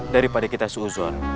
daripada kita seuzur